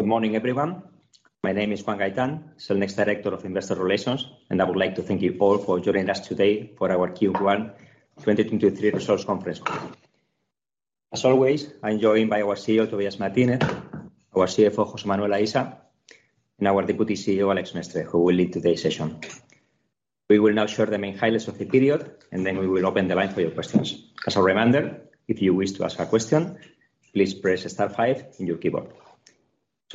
Good morning, everyone. My name is Juan Gaitán, Cellnex director of Investor Relations. I would like to thank you all for joining us today for our Q1 2023 results conference call. As always, I'm joined by our CEO, Tobías Martínez, our CFO, José Manuel Aisa, our Deputy CEO, Àlex Mestre, who will lead today's session. We will now share the main highlights of the period. Then we will open the line for your questions. As a reminder, if you wish to ask a question, please press star five on your keyboard.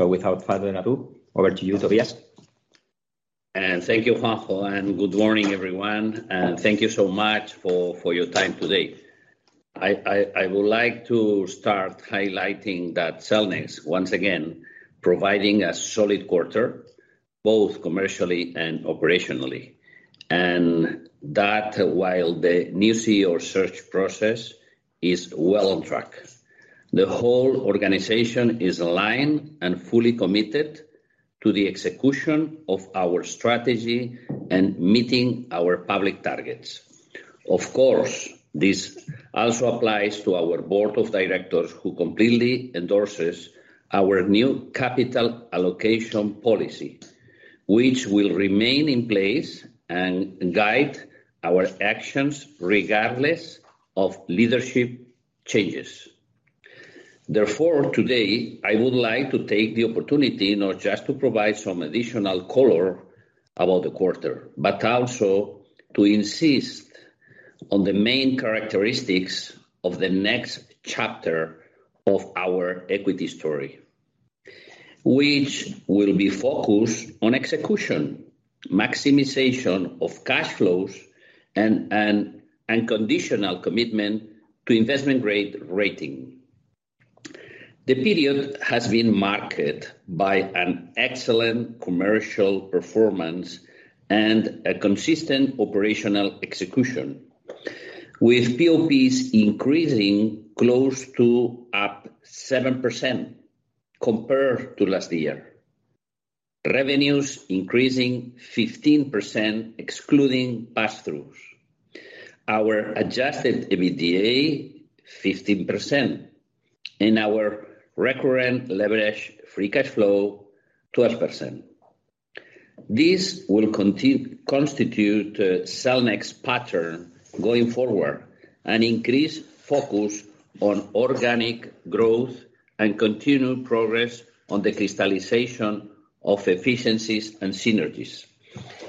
Without further ado, over to you, Tobías. Thank you, Juan, and good morning, everyone, and thank you so much for your time today. I would like to start highlighting that Cellnex, once again, providing a solid quarter, both commercially and operationally, and that while the new CEO search process is well on track. The whole organization is aligned and fully committed to the execution of our strategy and meeting our public targets. Of course, this also applies to our board of directors who completely endorses our new capital allocation policy, which will remain in place and guide our actions regardless of leadership changes. Today, I would like to take the opportunity not just to provide some additional color about the quarter, but also to insist on the main characteristics of the next chapter of our equity story, which will be focused on execution, maximization of cash flows, and unconditional commitment to investment grade rating. The period has been marked by an excellent commercial performance and a consistent operational execution, with PoPs increasing close to up 7% compared to last year. Revenues increasing 15% excluding pass-throughs. Our Adjusted EBITDA, 15%, and our Recurring Levered Free Cash Flow, 12%. This will constitute Cellnex pattern going forward, an increased focus on organic growth and continued progress on the crystallization of efficiencies and synergies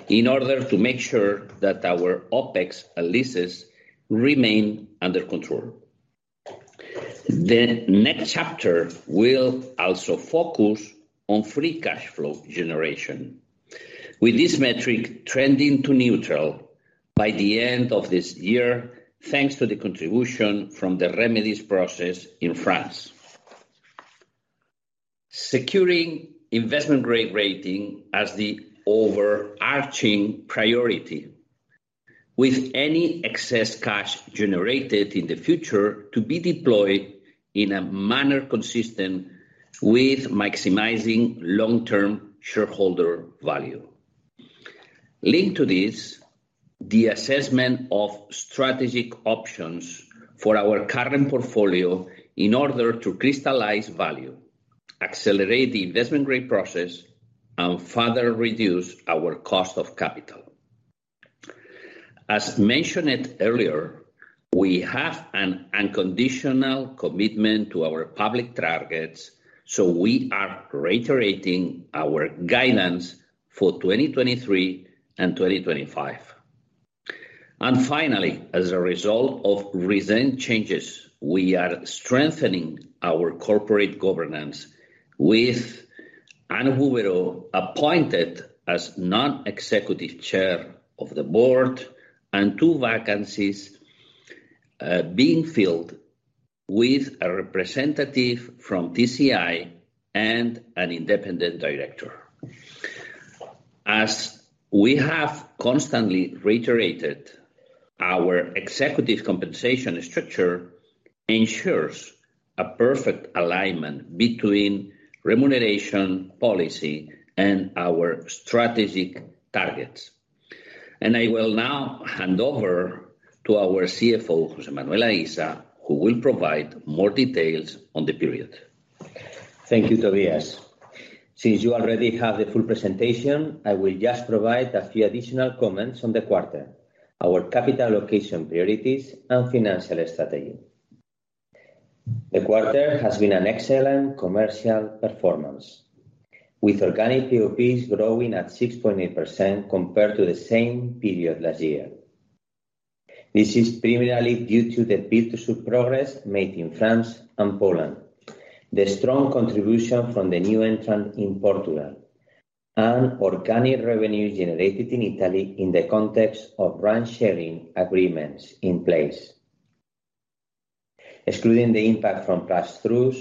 in order to make sure that our OpEx leases remain under control. The next chapter will also focus on free cash flow generation, with this metric trending to neutral by the end of this year, thanks to the contribution from the remedies process in France. Securing investment-grade rating as the overarching priority, with any excess cash generated in the future to be deployed in a manner consistent with maximizing long-term shareholder value. Linked to this, the assessment of strategic options for our current portfolio in order to crystallize value, accelerate the investment-grade process, and further reduce our cost of capital. As mentioned earlier, we have an unconditional commitment to our public targets. We are reiterating our guidance for 2023 and 2025. Finally, as a result of recent changes, we are strengthening our corporate governance with Anne Bouverot appointed as non-executive chair of the board and two vacancies being filled with a representative from TCI and an independent director. As we have constantly reiterated, our executive compensation structure ensures a perfect alignment between remuneration policy and our strategic targets. I will now hand over to our CFO, José Manuel Aisa, who will provide more details on the period. Thank you, Tobías. Since you already have the full presentation, I will just provide a few additional comments on the quarter, our capital allocation priorities, and financial strategy. The quarter has been an excellent commercial performance, with organic PoPs growing at 6.8% compared to the same period last year. This is primarily due to the BTS progress made in France and Poland, the strong contribution from the new entrant in Portugal, and organic revenue generated in Italy in the context of branch sharing agreements in place. Excluding the impact from pass-throughs,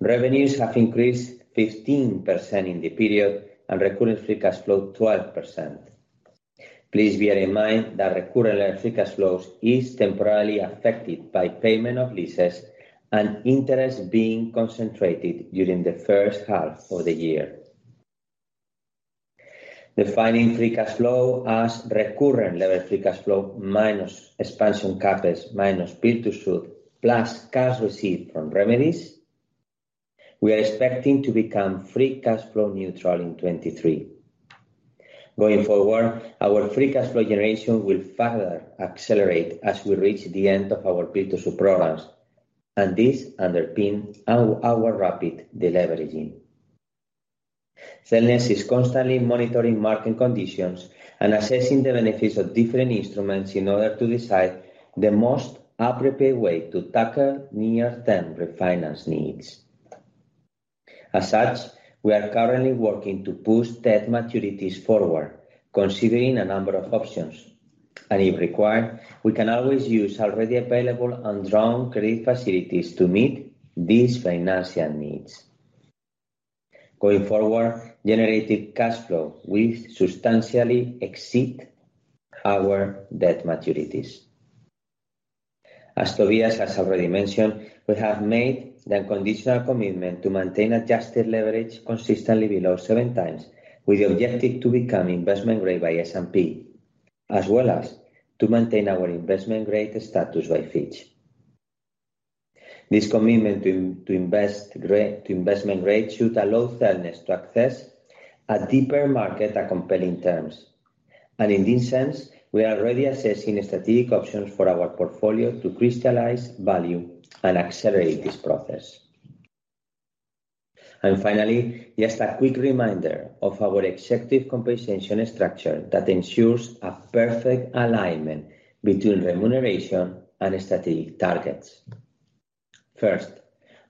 revenues have increased 15% in the period, and recurrent free cash flow 12%. Please bear in mind that recurrent free cash flows is temporarily affected by payment of leases and interest being concentrated during the first half of the year. Defining free cash flow as recurrent level free cash flow minus expansion CapEx minus build-to-suit plus cash received from remedies. We are expecting to become free cash flow neutral in 2023. Going forward, our free cash flow generation will further accelerate as we reach the end of our build-to-suit programs, and this underpin our rapid deleveraging. Cellnex is constantly monitoring market conditions and assessing the benefits of different instruments in order to decide the most appropriate way to tackle near-term refinance needs. As such, we are currently working to push debt maturities forward, considering a number of options. If required, we can always use already available undrawn credit facilities to meet these financial needs. Going forward, generated cash flow will substantially exceed our debt maturities. As Tobías has already mentioned, we have made the unconditional commitment to maintain adjusted leverage consistently below 7 times, with the objective to become investment grade by S&P, as well as to maintain our investment grade status by Fitch. This commitment to investment grade should allow Cellnex to access a deeper market at compelling terms. In this sense, we are already assessing strategic options for our portfolio to crystallize value and accelerate this process. Finally, just a quick reminder of our executive compensation structure that ensures a perfect alignment between remuneration and strategic targets. First,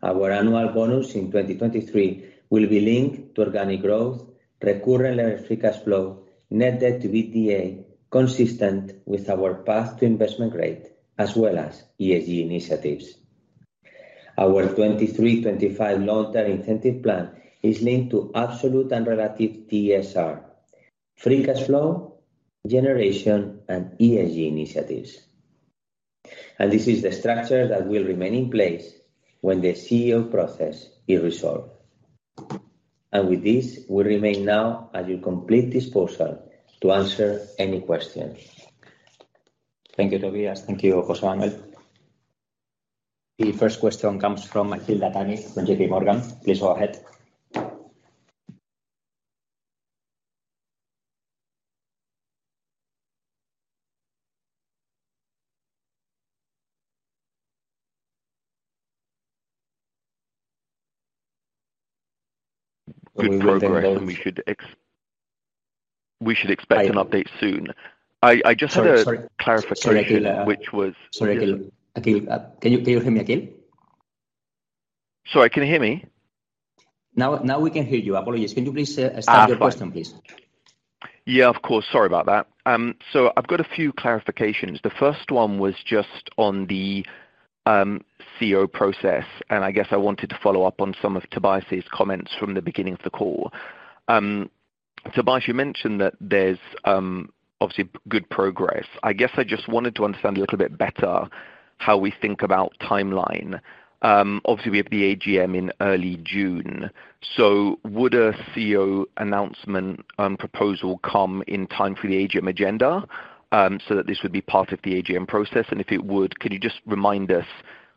our annual bonus in 2023 will be linked to organic growth, Recurring Levered Free Cash Flow, net debt to EBITDA, consistent with our path to investment grade, as well as ESG initiatives. Our 2023-2025 long-term incentive plan is linked to absolute and relative TSR, free cash flow, generation, and ESG initiatives. This is the structure that will remain in place when the CEO process is resolved. With this, we remain now at your complete disposal to answer any questions. Thank you, Tobías. Thank you, José Manuel. The first question comes from Akhil Dattani from JPMorgan. Please go ahead. Good progress, and we should expect an update soon. I just had a. Sorry, sorry... clarification, which was- Sorry, Akhil. Akhil, can you hear me, Akhil? Sorry, can you hear me? Now we can hear you. Apologies. Can you please start your question, please? Yeah, of course. Sorry about that. I've got a few clarifications. The first one was just on the CEO process, and I guess I wanted to follow up on some of Tobías's comments from the beginning of the call. Tobías, you mentioned that there's obviously good progress. I guess I just wanted to understand a little bit better how we think about timeline. Obviously, we have the AGM in early June, so would a CEO announcement proposal come in time for the AGM agenda, so that this would be part of the AGM process? If it would, could you just remind us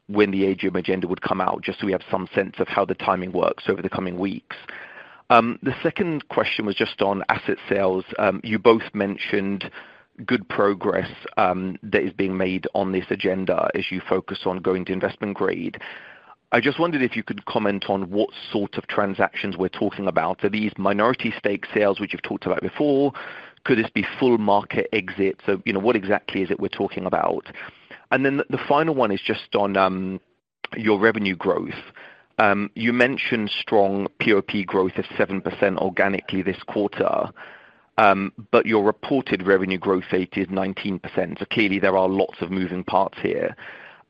when the AGM agenda would come out, just so we have some sense of how the timing works over the coming weeks? The second question was just on asset sales. You both mentioned good progress that is being made on this agenda as you focus on going to investment grade. I just wondered if you could comment on what sort of transactions we're talking about. Are these minority stake sales, which you've talked about before? Could this be full market exit? You know, what exactly is it we're talking about? The final one is just on your revenue growth. You mentioned strong POP growth of 7% organically this quarter, but your reported revenue growth rate is 19%, clearly there are lots of moving parts here.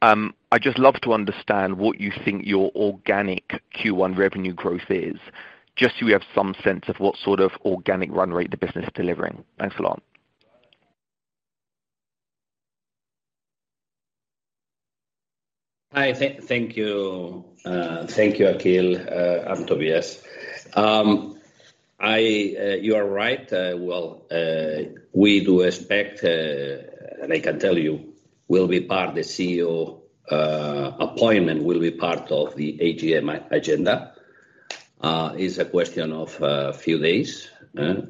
I'd just love to understand what you think your organic Q1 revenue growth is, just so we have some sense of what sort of organic run rate the business is delivering. Thanks a lot. Thank you. Thank you, Akhil. I'm Tobías. You are right. Well, we do expect, and I can tell you, will be part the CEO appointment will be part of the AGM agenda. It's a question of a few days, huh?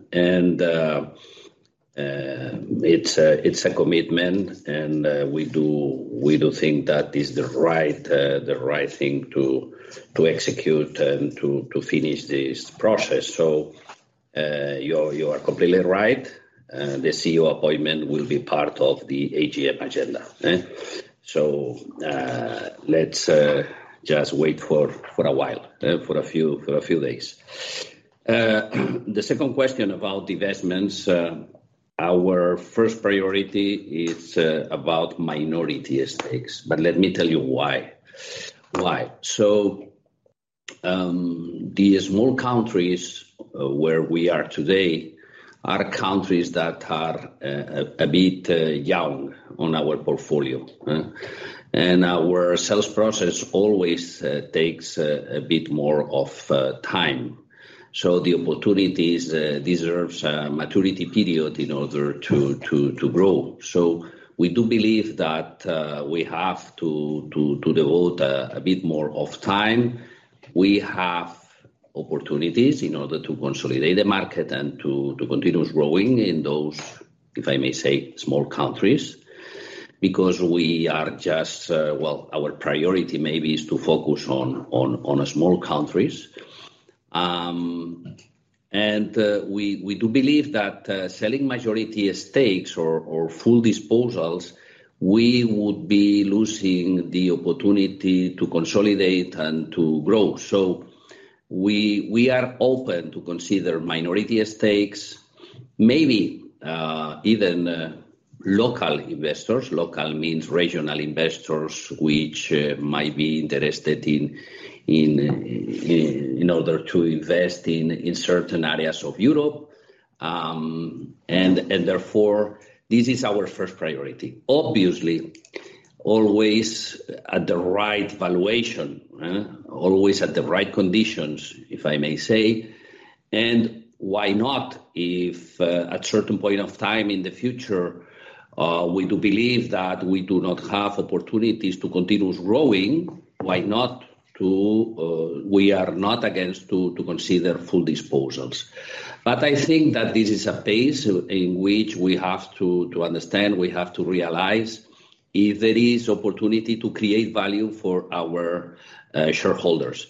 It's a commitment, and we do think that is the right thing to execute and to finish this process. You are completely right. The CEO appointment will be part of the AGM agenda, eh? Let's just wait for a while, for a few days. The second question about divestments, our first priority is about minority stakes, but let me tell you why. Why? The small countries where we are today are countries that are a bit young on our portfolio. Our sales process always takes a bit more of time. The opportunities deserves a maturity period in order to grow. We do believe that we have to devote a bit more of time. We have opportunities in order to consolidate the market and to continue growing in those, if I may say, small countries, because we are just... Our priority maybe is to focus on a small countries. We do believe that selling majority stakes or full disposals, we would be losing the opportunity to consolidate and to grow. We are open to consider minority stakes, maybe even local investors. Local means regional investors, which might be interested in order to invest in certain areas of Europe. Therefore, this is our first priority. Obviously, always at the right valuation, always at the right conditions, if I may say. Why not if at certain point of time in the future, we do believe that we do not have opportunities to continue growing, why not to We are not against to consider full disposals. I think that this is a phase in which we have to understand, we have to realize if there is opportunity to create value for our shareholders.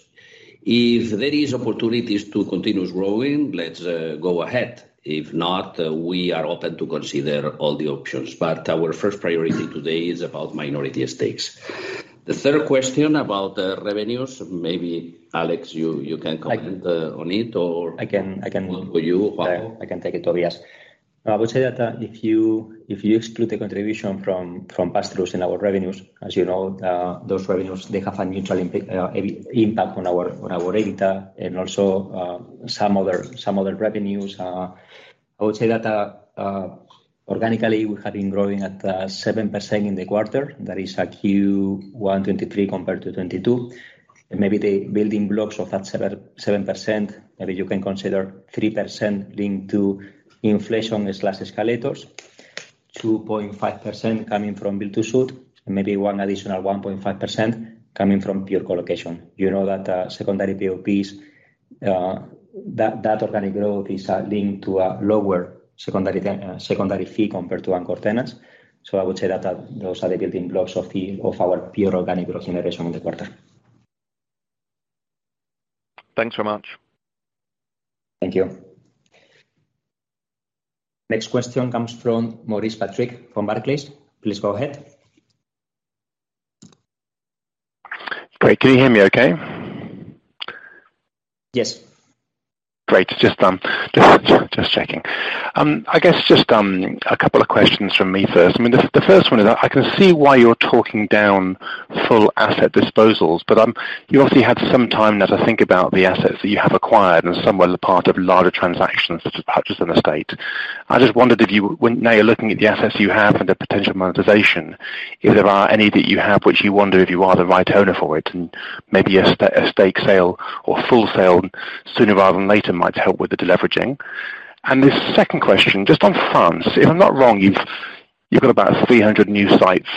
If there is opportunities to continue growing, let's go ahead. If not, we are open to consider all the options. Our first priority today is about minority stakes. The third question about the revenues, maybe Àlex, you can comment on it. I can. You, Juan I can take it, Tobías. I would say that if you exclude the contribution from pass-throughs in our revenues, as you know, those revenues, they have a neutral impact on our EBITDA and also some other revenues. I would say that organically, we have been growing at 7% in the quarter. That is a Q1 2023 compared to 2022. Maybe the building blocks of that 7%, maybe you can consider 3% linked to inflation slash escalators, 2.5% coming from build-to-suit, and maybe one additional 1.5% coming from pure colocation. You know that secondary PoPs, that organic growth is linked to a lower secondary fee compared to anchor tenants. I would say that, those are the building blocks of our pure organic growth generation in the quarter. Thanks so much. Thank you. Next question comes from Maurice Patrick from Barclays. Please go ahead. Great. Can you hear me okay? Yes. Great. Just checking. I guess just a couple of questions from me first. I mean the first one is I can see why you're talking down full asset disposals, but you obviously had some time now to think about the assets that you have acquired, and some were part of larger transactions such as CK Hutchison. I just wondered if now you're looking at the assets you have and the potential monetization, if there are any that you have, which you wonder if you are the right owner for it, and maybe a stake sale or full sale sooner rather than later might help with the deleveraging. The second question, just on France, if I'm not wrong, you've got about 300 new sites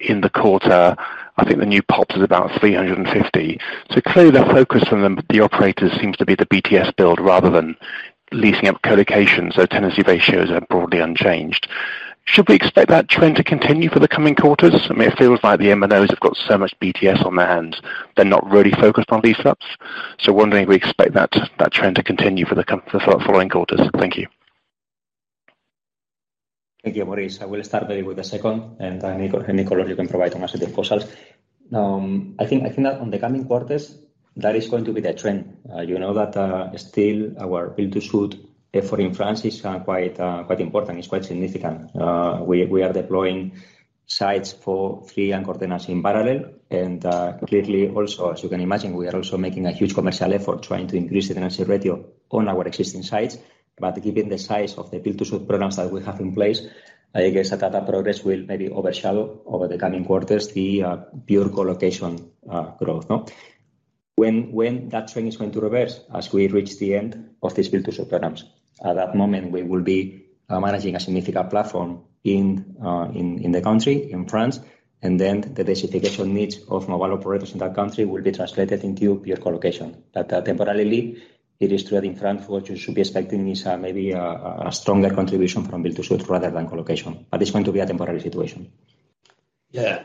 in the quarter. I think the new PoPs is about 350. Clearly the focus from the operators seems to be the BTS build rather than leasing up colocation, so tenancy ratios are broadly unchanged. Should we expect that trend to continue for the coming quarters? I mean, it feels like the MNOs have got so much BTS on their hands, they're not really focused on these ups. Wondering we expect that trend to continue for the following quarters. Thank you. Thank you, Maurice. I will start maybe with the second, and Nicolas, you can provide on asset disposals. I think that on the coming quarters, that is going to be the trend. You know that still our build-to-suit effort in France is quite important. It's quite significant. We are deploying sites for three anchor tenants in parallel. Clearly also, as you can imagine, we are also making a huge commercial effort trying to increase the tenancy ratio on our existing sites. Given the size of the build-to-suit programs that we have in place, I guess that progress will maybe overshadow over the coming quarters the pure colocation growth, no? When that trend is going to reverse as we reach the end of this build-to-suit programs, at that moment, we will be managing a significant platform in the country, in France, and then the dissipation needs of mobile operators in that country will be translated into pure colocation. Temporarily, it is true that in France, what you should be expecting is maybe a stronger contribution from build-to-suit rather than colocation, but it's going to be a temporary situation. Yeah.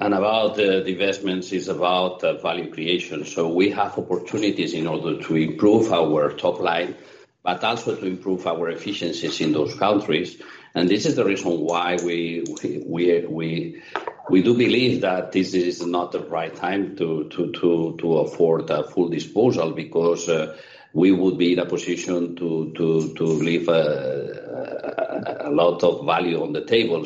About the divestments, it's about value creation. We have opportunities in order to improve our top line, but also to improve our efficiencies in those countries. This is the reason why we do believe that this is not the right time to afford a full disposal because we would be in a position to leave a lot of value on the table.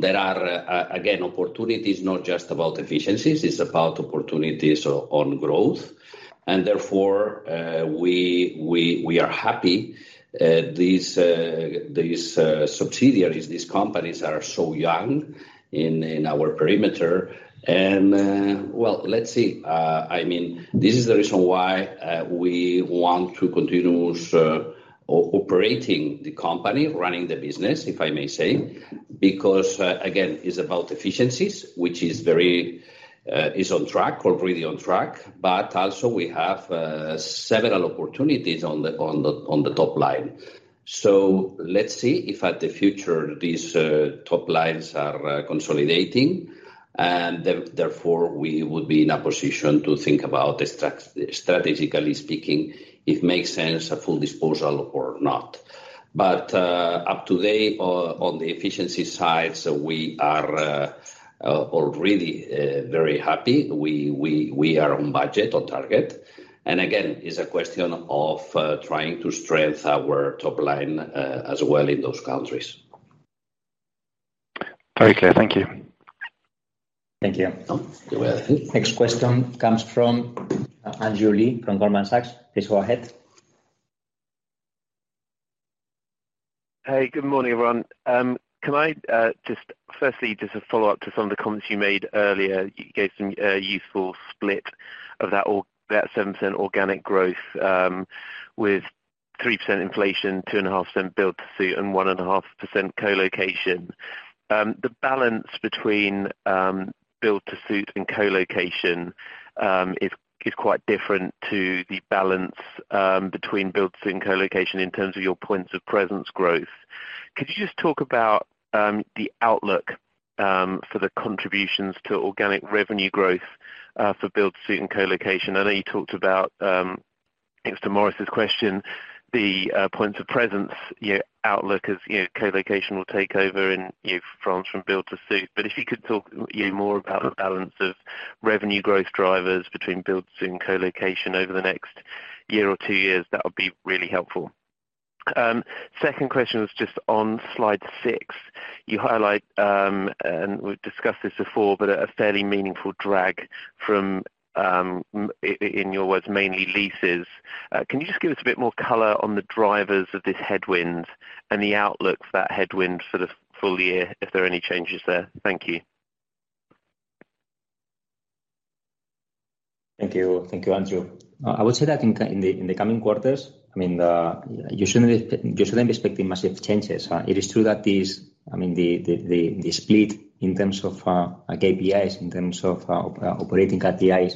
There are, again, opportunities, not just about efficiencies, it's about opportunities on growth. Therefore, we are happy, these subsidiaries, these companies are so young in our perimeter and, well, let's see. I mean, this is the reason why we want to continue operating the company, running the business, if I may say. Again, it's about efficiencies, which is very is on track or really on track. Also we have several opportunities on the top line. Let's see if at the future these top lines are consolidating, and therefore, we would be in a position to think about strategically speaking, it makes sense a full disposal or not. Up to date on the efficiency side, so we are all really very happy. We are on budget, on target. Again, it's a question of trying to strengthen our top line as well in those countries. Very clear. Thank you. Thank you. You're welcome. Next question comes from Andrew Lee from Goldman Sachs. Please go ahead. Hey, good morning, everyone. Can I just firstly just to follow up to some of the comments you made earlier, you gave some useful split of that 7% organic growth, with 3% inflation, 2.5% build-to-suit, and 1.5% colocation. The balance between build-to-suit and colocation is quite different to the balance between build-to-suit and colocation in terms of your points of presence growth. Could you just talk about the outlook for the contributions to organic revenue growth for build-to-suit and colocation? I know you talked about, thanks to Maurice's question, the points of presence, your outlook as, you know, colocation will take over in, you know, France from build-to-suit. If you could talk, you know, more about the balance of revenue growth drivers between build-to-suit and colocation over the next one year or two years, that would be really helpful. Second question was just on slide six. You highlight, and we've discussed this before, but a fairly meaningful drag from in your words, mainly leases. Can you just give us a bit more color on the drivers of this headwind and the outlook for that headwind for the full year, if there are any changes there? Thank you. Thank you. Thank you, Andrew. I would say that in the coming quarters, I mean, you shouldn't be expecting massive changes. It is true that these, I mean, the split in terms of like PoPs, in terms of operatingPoPs,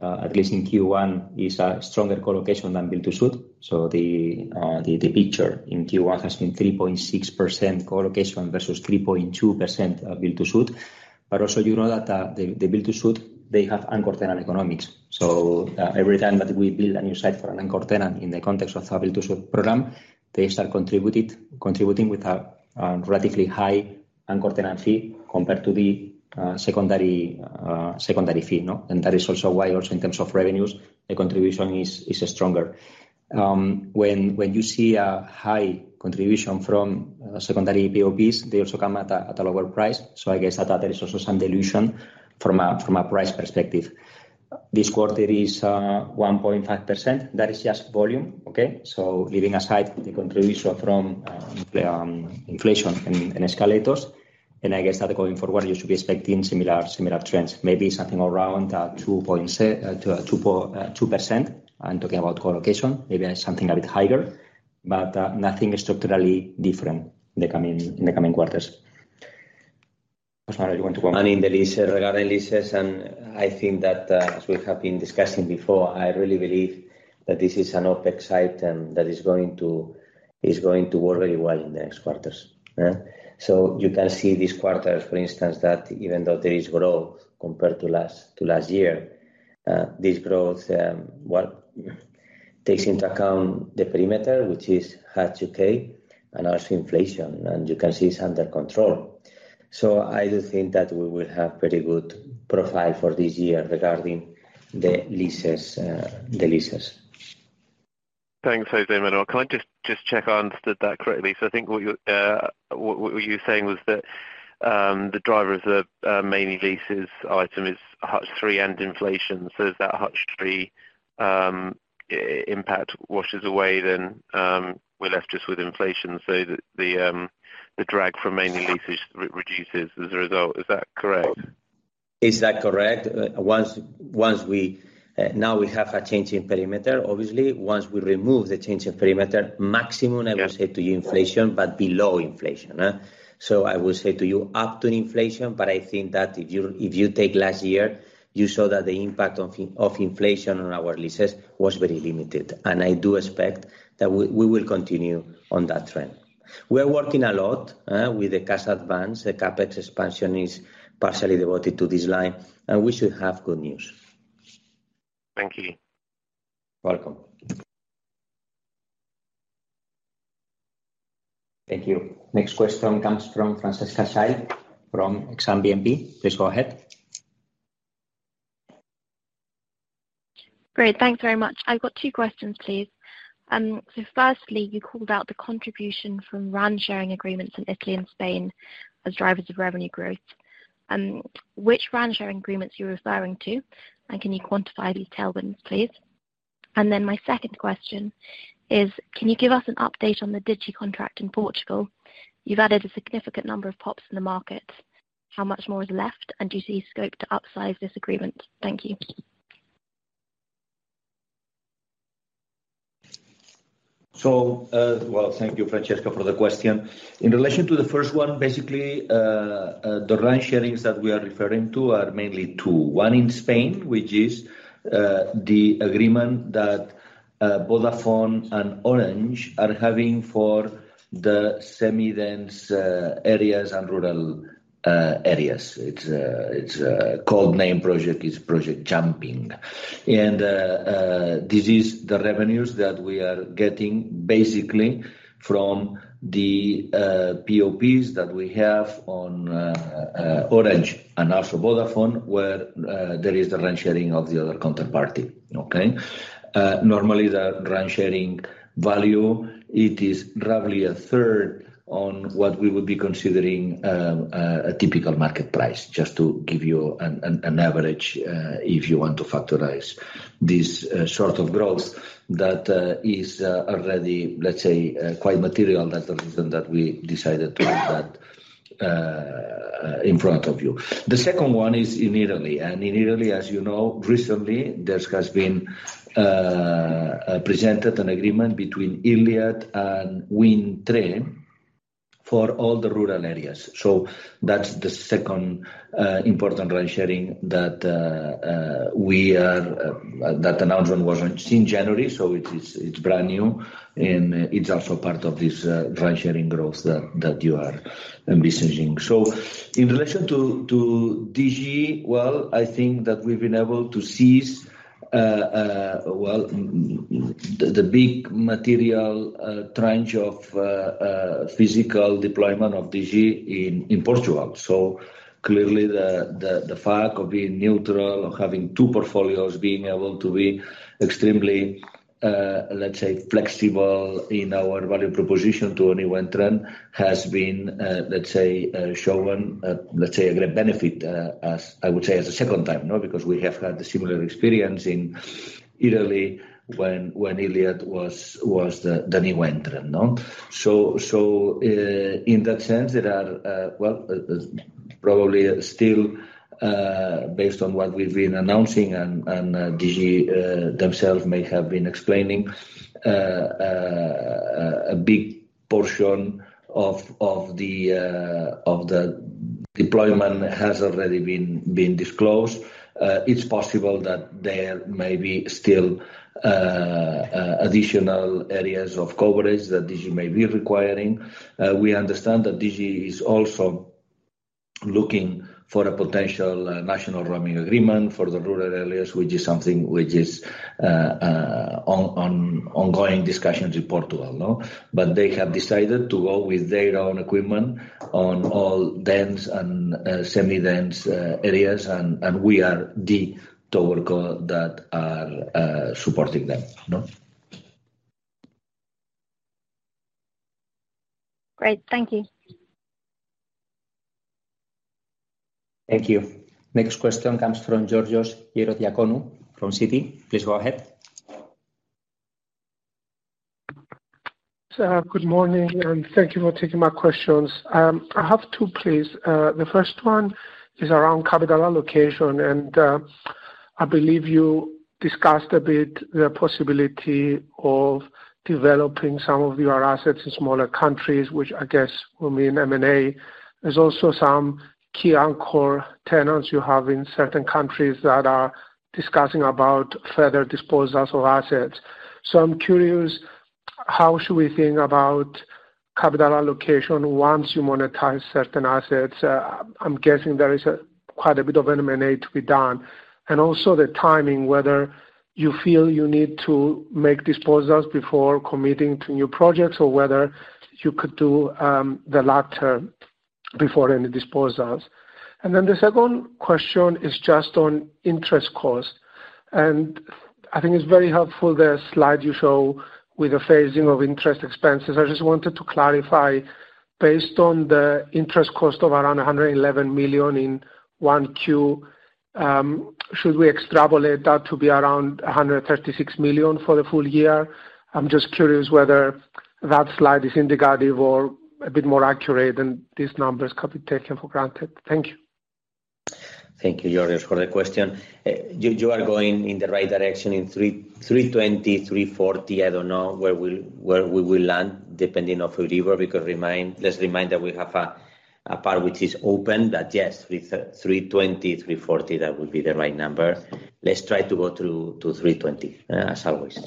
at least in Q1, is a stronger colocation than build-to-suit. The picture in Q1 has been 3.6% colocation versus 3.2% build-to-suit. Also, you know that the build-to-suit, they have anchor tenant economics. Every time that we build a new site for an anchor tenant in the context of our build-to-suit program, they start contributing with a relatively high anchor tenant fee compared to the secondary fee, you know. That is also why also in terms of revenues, the contribution is stronger. When you see a high contribution from secondary POPs, they also come at a lower price. I guess that is also some dilution from a price perspective. This quarter is 1.5%. That is just volume. Okay? Leaving aside the contribution from inflation and escalators, I guess that going forward, you should be expecting similar trends. Maybe something around 2%. I'm talking about colocation. Maybe something a bit higher, but nothing structurally different in the coming quarters. José Manuel, you want to comment? In the lease, regarding leases, and I think that, as we have been discussing before, I really believe that this is an OpEx item that is going to work very well in the next quarters. You can see this quarter, for instance, that even though there is growth compared to last year, this growth, well, takes into account the perimeter, which is Hutch UK and also inflation, and you can see it's under control. I do think that we will have pretty good profile for this year regarding the leases. Thanks, José Manuel. Can I just check I understood that correctly? I think what you're saying was that the driver of the mainly leases item is Hutch Three and inflation. As that Hutch Three impact washes away, then we're left just with inflation. The drag from mainly leases reduces as a result. Is that correct? Is that correct? Once we now we have a change in perimeter, obviously. Once we remove the change in perimeter. Yeah. I will say to you inflation, but below inflation. I will say to you up to inflation, I think that if you, if you take last year, you saw that the impact of inflation on our leases was very limited. I do expect that we will continue on that trend. We are working a lot with the cash advance. The CapEx expansion is partially devoted to this line, and we should have good news. Thank you. Welcome. Thank you. Next question comes from Francesca Shy from Exane BNP. Please go ahead. Great. Thanks very much. I've got two questions, please. Firstly, you called out the contribution from RAN sharing agreements in Italy and Spain as drivers of revenue growth. Which RAN sharing agreements you're referring to, can you quantify these tailwinds, please? My second question is, can you give us an update on the Digi contract in Portugal? You've added a significant number of PoPs in the market. How much more is left, do you see scope to upsize this agreement? Thank you. Well, thank you, Francesca, for the question. In relation to the first one, basically, the rent sharings that we are referring to are mainly two. One in Spain, which is the agreement that Vodafone and Orange are having for the semi-dense areas and rural areas. Its code name project is Project Jumping. This is the revenues that we are getting basically from the POPs that we have on Orange and also Vodafone, where there is the rent sharing of the other counterparty. Okay? Normally, the rent sharing value, it is roughly a third on what we would be considering a typical market price, just to give you an average, if you want to factorize this sort of growth that is already, let's say, quite material. That's the reason that we decided to put that in front of you. The second one is in Italy. In Italy, as you know, recently, there has been presented an agreement between Iliad and WindTre for all the rural areas. That's the second important rent sharing that announcement was in January, so it's brand new, and it's also part of this rent sharing growth that you are envisaging. In relation to Digi, well, I think that we've been able to seize, the big material tranche of physical deployment of Digi in Portugal. Clearly the fact of being neutral or having two portfolios, being able to be extremely, let's say, flexible in our value proposition to any one trend has been, let's say, shown, let's say a great benefit, as I would say as a second time, you know. We have had a similar experience in Italy when Iliad was the new entrant, no? In that sense, there are, well, probably still, based on what we've been announcing and Digi themselves may have been explaining, a big portion of the deployment has already been disclosed. It's possible that there may be still, additional areas of coverage that Digi may be requiring. We understand that Digi is also looking for a potential national roaming agreement for the rural areas, which is on ongoing discussions in Portugal, no? They have decided to go with their own equipment on all dense and semi-dense areas. We are the TowerCo that are supporting them, no? Great. Thank you. Thank you. Next question comes from Georgios Ierodiaconou from Citi. Please go ahead. Good morning, and thank you for taking my questions. I have two, please. The first one is around capital allocation, and I believe you discussed a bit the possibility of developing some of your assets in smaller countries, which I guess will mean M&A. There's also some key anchor tenants you have in certain countries that are discussing about further disposals of assets. I'm curious, how should we think about capital allocation once you monetize certain assets? I'm guessing there is quite a bit of M&A to be done. Also the timing, whether you feel you need to make disposals before committing to new projects or whether you could do the latter before any disposals. The second question is just on interest cost. I think it's very helpful, the slide you show with the phasing of interest expenses. I just wanted to clarify, based on the interest cost of around 111 million in Q1, should we extrapolate that to be around 136 million for the full year? I'm just curious whether that slide is indicative or a bit more accurate, and these numbers could be taken for granted. Thank you. Thank you, Georgios, for the question. You are going in the right direction in 3, 320-340. I don't know where we will land, depending on delivery. Let's remind that we have a part which is open. But yes, with 320- 340, that would be the right number. Let's try to go to 320, as always.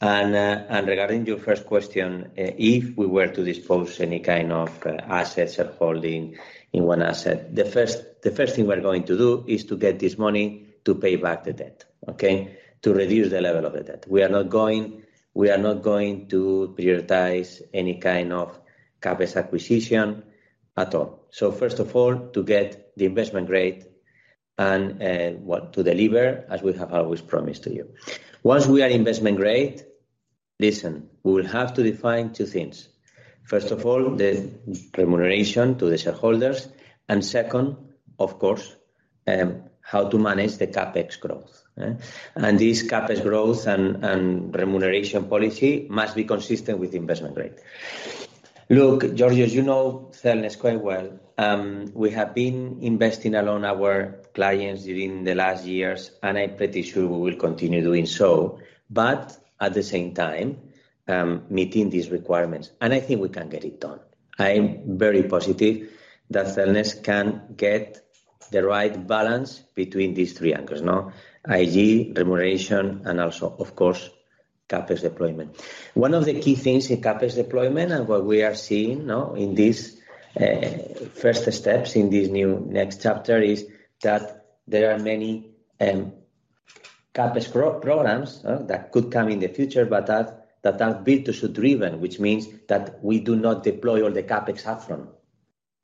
Regarding your first question, if we were to dispose any kind of assets or holding in one asset, the first thing we're going to do is to get this money to pay back the debt, okay? To reduce the level of the debt. We are not going to prioritize any kind of CapEx acquisition at all. First of all, to get the investment grade and what to deliver as we have always promised to you. Once we are investment grade. Listen, we will have to define two things. First of all, the remuneration to the shareholders, and second, of course, how to manage the CapEx growth. This CapEx growth and remuneration policy must be consistent with investment rate. Look, Georgios, you know Cellnex quite well. We have been investing along our clients during the last years, and I'm pretty sure we will continue doing so. At the same time, meeting these requirements. I think we can get it done. I'm very positive that Cellnex can get the right balance between these three anchors: IG, remuneration, and also, of course, CapEx deployment. One of the key things in CapEx deployment and what we are seeing now in these first steps in this new next chapter is that there are many CapEx programs that could come in the future, but that are build-to-suit driven, which means that we do not deploy all the CapEx up front.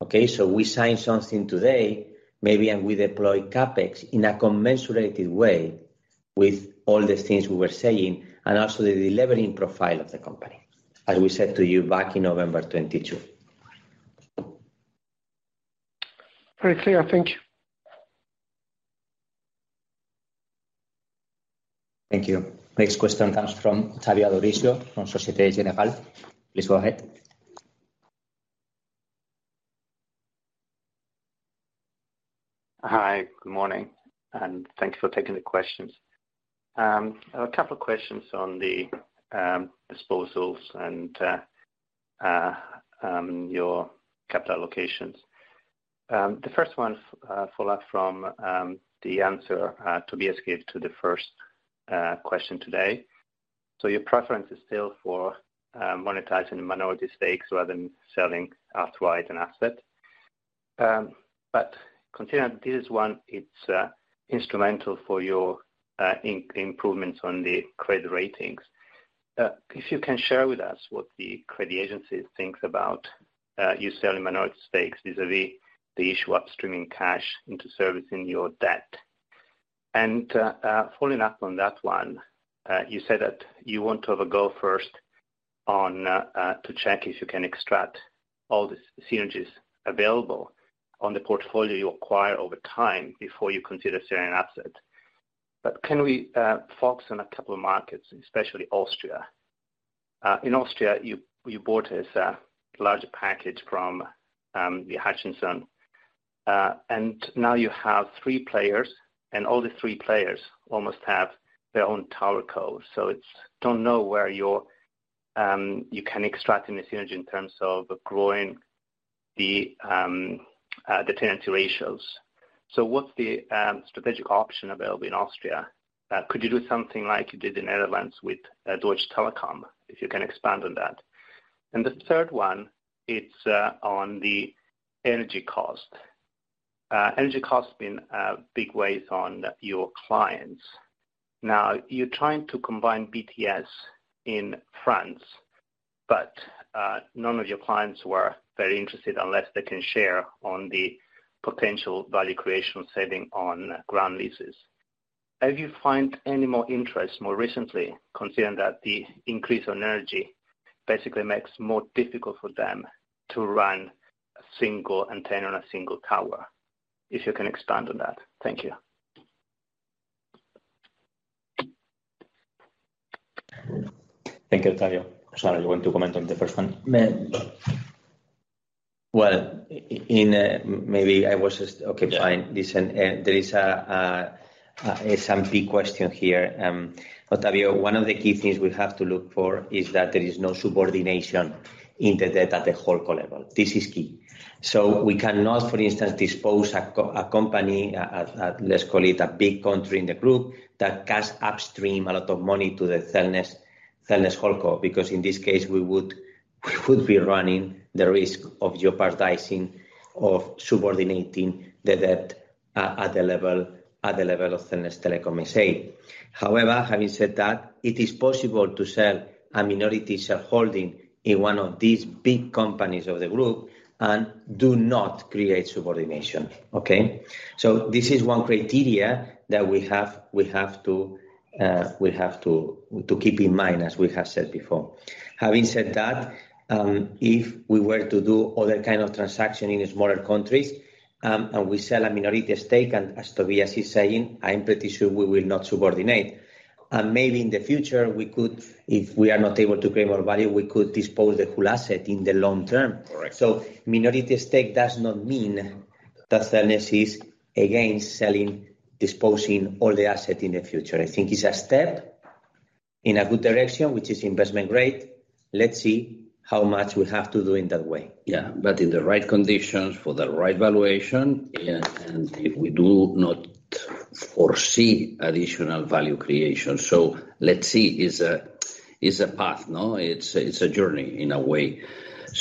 Okay? We sign something today maybe, and we deploy CapEx in a commensurated way with all the things we were saying and also the delevering profile of the company, as we said to you back in November 2022. Very clear. Thank you. Thank you. Next question comes from Ottavio Adorisio from Société Générale. Please go ahead. Hi. Good morning, and thank you for taking the questions. A couple of questions on the disposals and your capital allocations. The first one follow up from the answer Tobías gave to the first question today. Your preference is still for monetizing the minority stakes rather than selling outright an asset. Considering this one, it's instrumental for your improvements on the credit ratings. If you can share with us what the credit agency thinks about you selling minority stakes vis-a-vis the issue upstreaming cash into servicing your debt. Following up on that one, you said that you want to have a go first on to check if you can extract all the synergies available on the portfolio you acquire over time before you consider selling an asset. Can we focus on a couple of markets, especially Austria? In Austria, you bought this large package from the Hutchison. And now you have three players, and all the three players almost have their own TowerCo. Don't know where you're, you can extract any synergy in terms of growing the tenancy ratios. What's the strategic option available in Austria? Could you do something like you did in Netherlands with Deutsche Telekom? If you can expand on that. The third one, it's on the energy cost. Energy cost being a big weight on your clients. Now, you're trying to combine BTS in France, none of your clients were very interested unless they can share on the potential value creation saving on ground leases. Have you found any more interest more recently, considering that the increase on energy basically makes more difficult for them to run a single antenna on a single tower? If you can expand on that. Thank you. Thank you, Ottavio. Gonzalo, you want to comment on the first one? Well, maybe I was just... Okay, fine. Listen, there is a SMP question here. Ottavio, one of the key things we have to look for is that there is no subordination in the debt at the HoldCo level. This is key. We cannot, for instance, dispose a company, let's call it a big country in the group, that can upstream a lot of money to the Cellnex HoldCo, because in this case, we would be running the risk of jeopardizing or subordinating the debt at the level of Cellnex Telecom, S.A.. Having said that, it is possible to sell a minority shareholding in one of these big companies of the group and do not create subordination. Okay? This is one criteria that we have to keep in mind, as we have said before. Having said that, if we were to do other kind of transaction in smaller countries, and we sell a minority stake, and as Tobías is saying, I'm pretty sure we will not subordinate. Maybe in the future, we could, if we are not able to create more value, we could dispose the whole asset in the long term. Correct. Minority stake does not mean that Cellnex is against selling, disposing all the asset in the future. I think it's a step in a good direction, which is investment grade. Let's see how much we have to do in that way. Yeah. In the right conditions for the right valuation and if we do not foresee additional value creation. Let's see. Is a path, no? It's a journey in a way.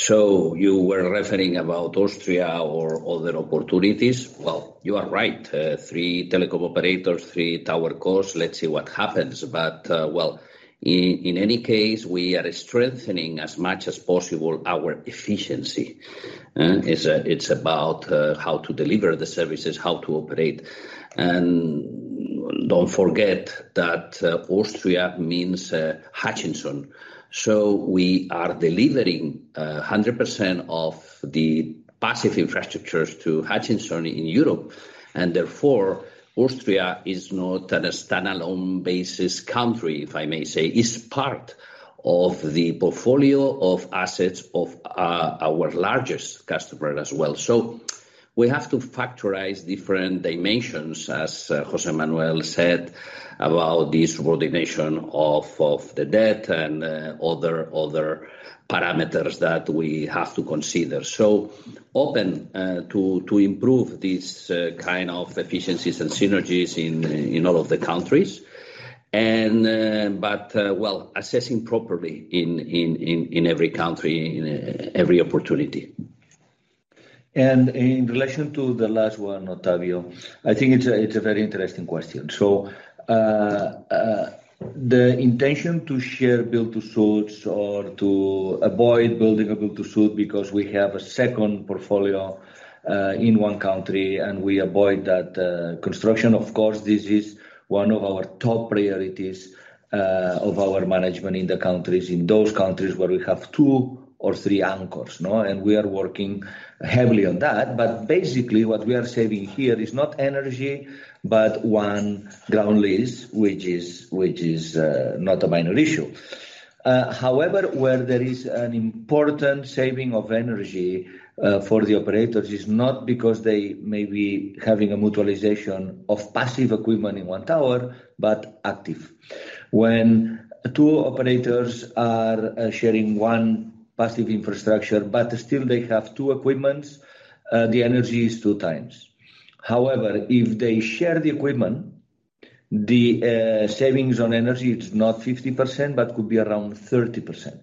You were referring about Austria or other opportunities. You are right. 3 telecom operators, 3 TowerCos. Let's see what happens. Well, in any case, we are strengthening as much as possible our efficiency. It's about how to deliver the services, how to operate. Don't forget that Austria means Hutchison. We are delivering 100% of the passive infrastructures to Hutchison in Europe, and therefore, Austria is not a standalone basis country, if I may say. It's part of the portfolio of assets of our largest customer as well. We have to factorize different dimensions, as José Manuel said, about this subordination of the debt and other parameters that we have to consider. Open to improve these kind of efficiencies and synergies in all of the countries and but well, assessing properly in every country, in every opportunity. In relation to the last one, Ottavio, I think it's a very interesting question. The intention to share build-to-suits or to avoid building a build-to-suit because we have a second portfolio in one country, and we avoid that construction. Of course, this is one of our top priorities of our management in the countries, in those countries where we have two or three anchors, no? We are working heavily on that. Basically what we are saving here is not energy, but one ground lease, which is not a minor issue. However, where there is an important saving of energy for the operators is not because they may be having a mutualization of passive equipment in one tower, but active. When two operators are sharing one passive infrastructure, but still they have two equipment, the energy is two times. However, if they share the equipment, the savings on energy is not 50%, but could be around 30%.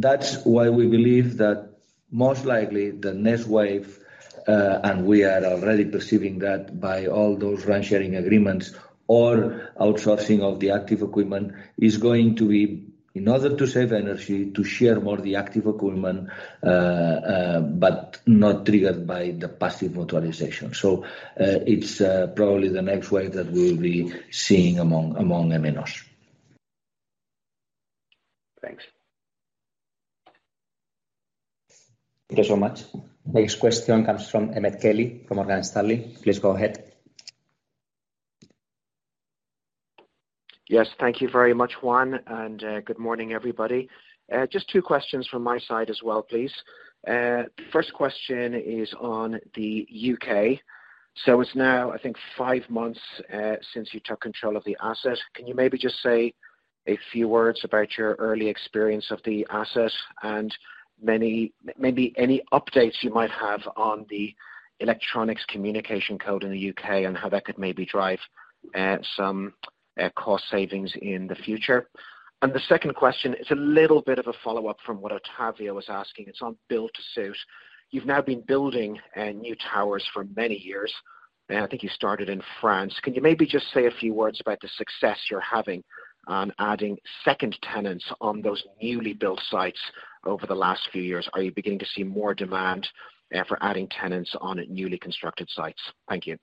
That's why we believe that most likely the next wave, and we are already perceiving that by all those rent sharing agreements, or outsourcing of the active equipment is going to be in order to save energy, to share more of the active equipment, but not triggered by the passive mutualization. It's probably the next wave that we'll be seeing among MNOs. Thanks. Thank you so much. Next question comes from Emmet Kelly from Morgan Stanley. Please go ahead. Yes, thank you very much, Juan, and good morning, everybody. First question is on the U.K. It's now, I think, five months since you took control of the asset. Can you maybe just say a few words about your early experience of the asset and maybe any updates you might have on the Electronic Communications Code in the U.K. and how that could maybe drive some cost savings in the future? The second question is a little bit of a follow-up from what Ottavio was asking. It's on build-to-suit. You've now been building new towers for many years. I think you started in France. Can you maybe just say a few words about the success you're having on adding second tenants on those newly built sites over the last few years? Are you beginning to see more demand for adding tenants on newly constructed sites? Thank you.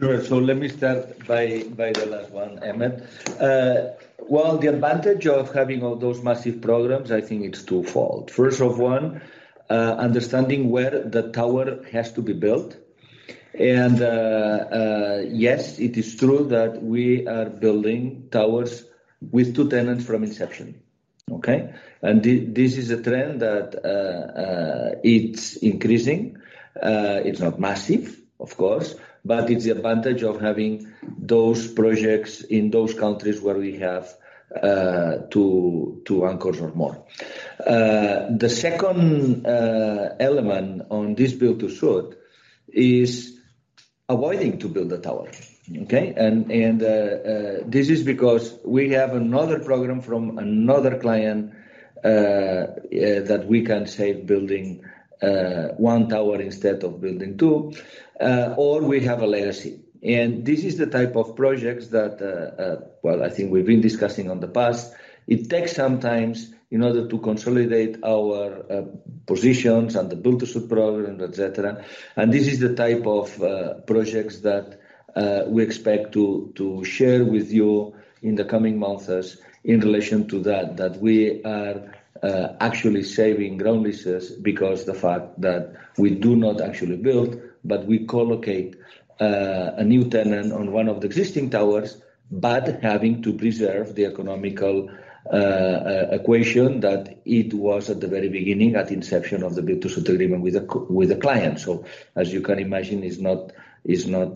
Sure. Let me start by the last one, Emmet. Well, the advantage of having all those massive programs, I think it's twofold. First of one, understanding where the tower has to be built. Yes, it is true that we are building towers with 2 tenants from inception, okay? This is a trend that it's increasing. It's not massive, of course, but it's the advantage of having those projects in those countries where we have 2 anchors or more. The second element on this build-to-suit is avoiding to build a tower, okay? This is because we have another program from another client that we can save building 1 tower instead of building 2, or we have a legacy. This is the type of projects that, well, I think we've been discussing on the past. It takes some time in order to consolidate our positions and the build-to-suit program, et cetera. This is the type of projects that we expect to share with you in the coming months as in relation to that we are actually saving ground leases because the fact that we do not actually build, but we colocate a new tenant on one of the existing towers, but having to preserve the economical equation that it was at the very beginning, at inception of the build-to-suit agreement with a client. As you can imagine, it's not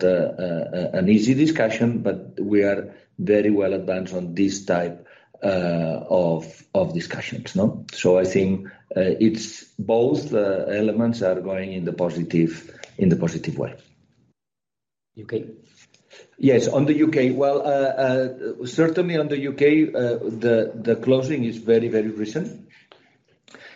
an easy discussion, but we are very well advanced on this type of discussions. No? I think, it's both the elements are going in the positive way. UK. Yes. On the UK. Well, certainly on the UK, the closing is very recent.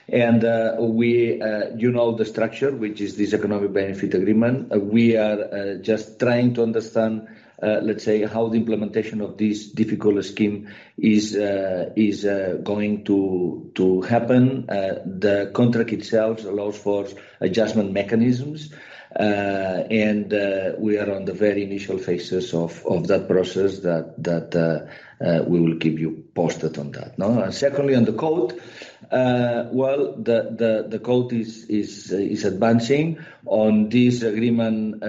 We, you know the structure, which is this economic benefit agreement. We are just trying to understand, let's say, how the implementation of this difficult scheme is going to happen. The contract itself allows for adjustment mechanisms. We are on the very initial phases of that process that we will keep you posted on that. Now, secondly, on the Code, well, the Code is advancing on this agreement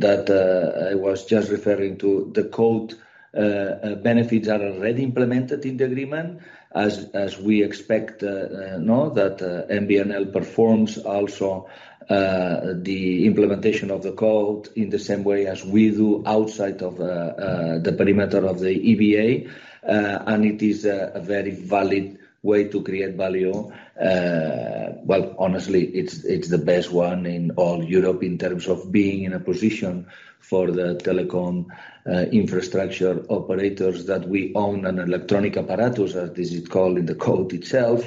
that I was just referring to. The Code benefits are already implemented in the agreement as we expect now that MBNL performs also the implementation of the Code in the same way as we do outside of the perimeter of the EBA. It is a very valid way to create value. Well, honestly, it's the best one in all Europe in terms of being in a position for the telecom infrastructure operators that we own an electronic apparatus, as is it called in the code itself,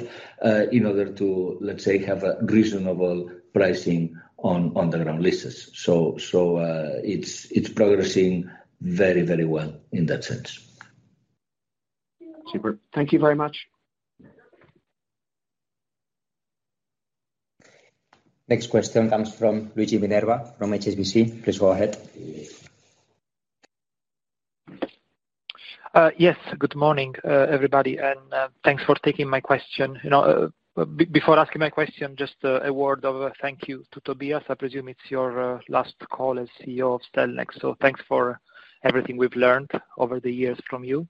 in order to, let's say, have a reasonable pricing on the ground leases. It's progressing very, very well in that sense. Super. Thank you very much. Next question comes from Luigi Minerva from HSBC. Please go ahead. Yes. Good morning, everybody. Thanks for taking my question. You know, before asking my question, just a word of thank you to Tobias. I presume it's your last call as CEO of Cellnex, so thanks for everything we've learned over the years from you.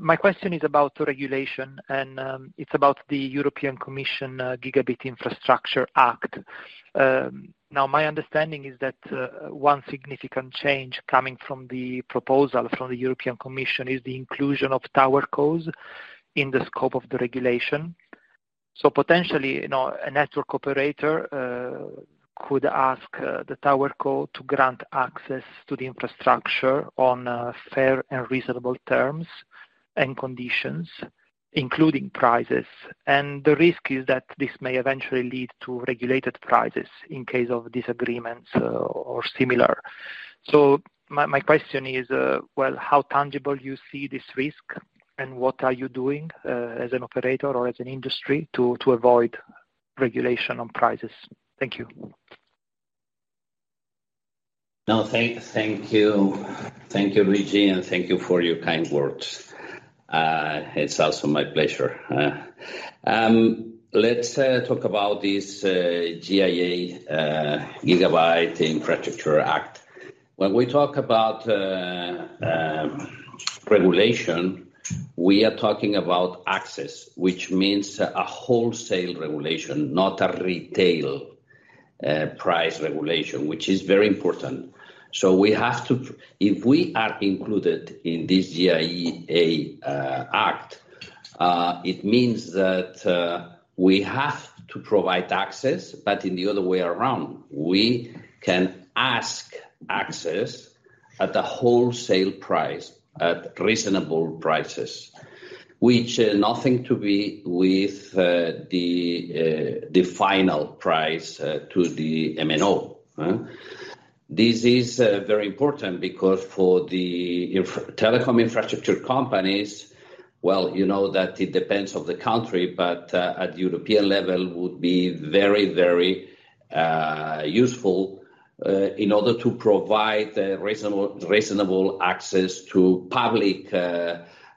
My question is about regulation, and it's about the European Commission Gigabit Infrastructure Act. Now, my understanding is that one significant change coming from the proposal from the European Commission is the inclusion of TowerCos in the scope of the regulation. Potentially, you know, a network operator could ask the TowerCo to grant access to the infrastructure on fair and reasonable terms and conditions, including prices. The risk is that this may eventually lead to regulated prices in case of disagreements or similar. My question is, well, how tangible you see this risk, and what are you doing, as an operator or as an industry to avoid regulation on prices? Thank you. Thank you, Luigi, and thank you for your kind words. It's also my pleasure. Let's talk about this GIA, Gigabit Infrastructure Act. When we talk about regulation, we are talking about access, which means a wholesale regulation, not a retail price regulation, which is very important. If we are included in this GIA Act, it means that we have to provide access, but in the other way around. We can ask access at a wholesale price, at reasonable prices, which nothing to be with the final price to the MNO. This is very important because for the telecom infrastructure companies, well, you know that it depends on the country, at European level would be very, very useful in order to provide reasonable access to public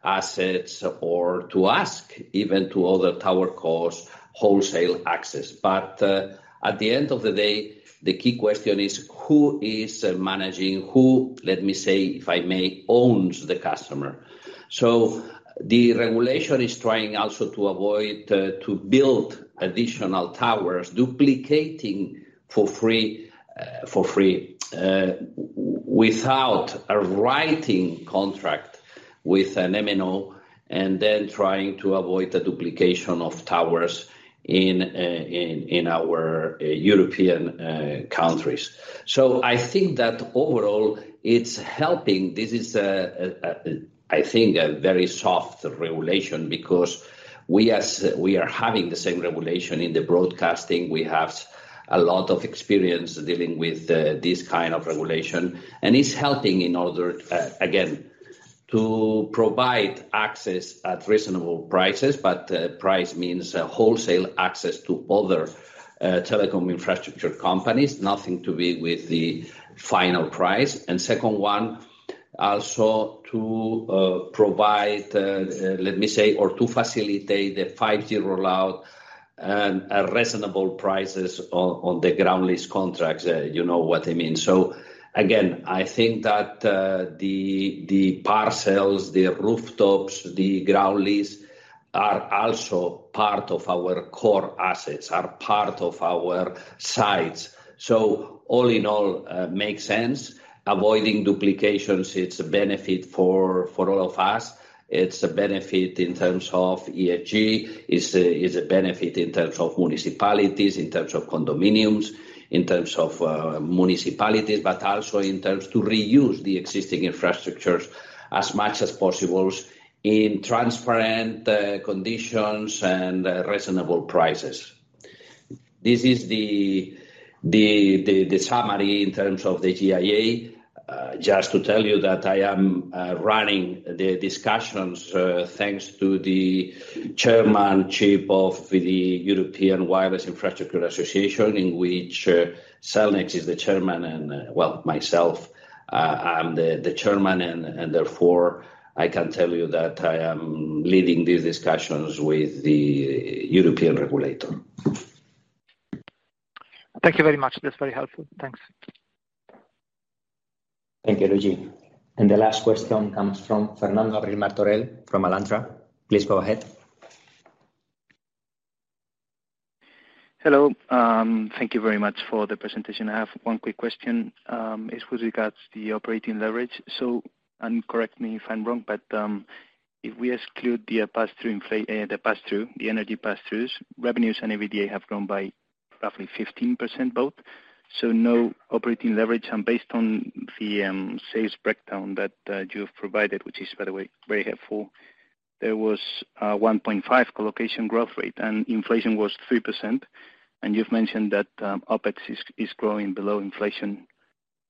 assets or to ask even to other TowerCos wholesale access. At the end of the day, the key question is who is managing, who, let me say, if I may, owns the customer. The regulation is trying also to avoid to build additional towers, duplicating for free without a writing contract with an MNO, trying to avoid the duplication of towers in our European countries. I think that overall, it's helping. This is a, I think, a very soft regulation because we are having the same regulation in the broadcasting. We have a lot of experience dealing with this kind of regulation, it's helping in order again to provide access at reasonable prices. Price means a wholesale access to other telecom infrastructure companies, nothing to be with the final price. Second one, also to provide, let me say, or to facilitate the 5G rollout and at reasonable prices on the ground lease contracts, you know what I mean. Again, I think that the parcels, the rooftops, the ground lease are also part of our core assets, are part of our sites. All in all, makes sense. Avoiding duplications, it's a benefit for all of us. It's a benefit in terms of ESG. It's a benefit in terms of municipalities, in terms of condominiums, in terms of municipalities, but also in terms to reuse the existing infrastructures as much as possible in transparent conditions and reasonable prices. This is the summary in terms of the GIA. Just to tell you that I am running the discussions, thanks to the chairman, chief of the European Wireless Infrastructure Association, in which Cellnex is the chairman, and, well, myself, I'm the chairman, and therefore I can tell you that I am leading these discussions with the European regulator. Thank you very much. That's very helpful. Thanks. Thank you, Luigi. The last question comes from Fernando Abril-Martorell from Alantra. Please go ahead. Hello. Thank you very much for the presentation. I have one quick question, it was regards the operating leverage. Correct me if I'm wrong, if we exclude the pass-through, the energy pass-throughs, revenues and EBITDA have grown by roughly 15% both. No operating leverage. Based on the sales breakdown that you have provided, which is by the way, very helpful, there was 1.5 collocation growth rate, and inflation was 3%. You've mentioned that OpEx is growing below inflation.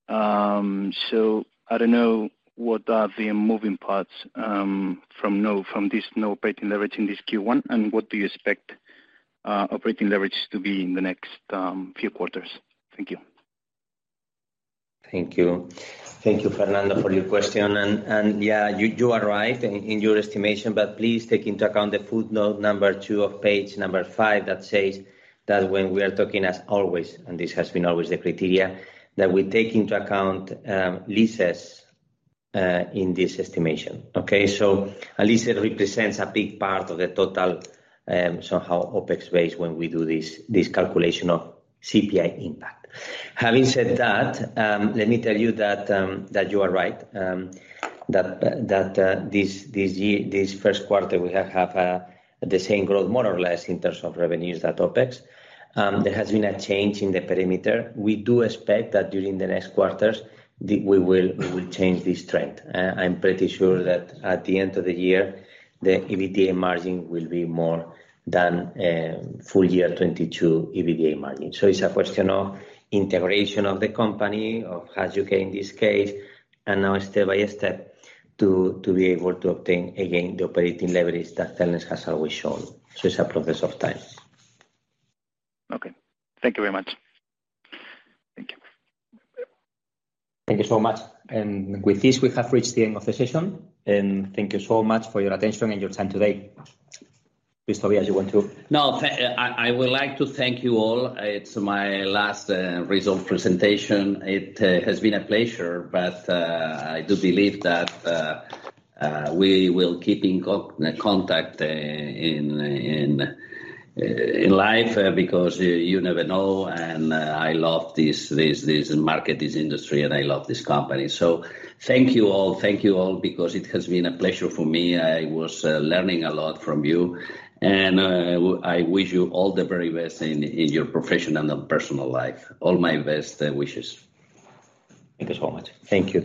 I don't know, what are the moving parts from this no operating leverage in this Q1 and what do you expect operating leverage to be in the next few quarters? Thank you. Thank you. Thank you, Fernando, for your question. Yeah, you are right in your estimation, but please take into account the footnote two of page five that says that when we are talking as always, and this has been always the criteria, that we take into account leases in this estimation. Okay. A lease represents a big part of the total somehow OpEx base when we do this calculation of CPI impact. Having said that, let me tell you that you are right that this year, this Q1, we have the same growth more or less in terms of revenues at OpEx. There has been a change in the perimeter. We do expect that during the next quarters we will change this trend. I'm pretty sure that at the end of the year, the EBITDA margin will be more than full year 2022 EBITDA margin. It's a question of integration of the company, of Hutchison UK in this case, and now step by step to be able to obtain again the operating leverage that Cellnex has always shown. It's a progress of time. Okay. Thank you very much. Thank you. Thank you so much. With this, we have reached the end of the session. Thank you so much for your attention and your time today. Please, Tobías, you want to- I would like to thank you all. It's my last result presentation. It has been a pleasure, I do believe that we will keep in contact in life because you never know. I love this market, this industry, and I love this company. Thank you all. Thank you all, because it has been a pleasure for me. I was learning a lot from you, I wish you all the very best in your professional and personal life. All my best wishes. Thank you so much. Thank you